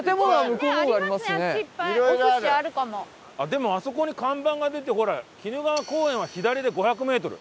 でもあそこに看板が出てほら鬼怒川公園は左で５００メートル。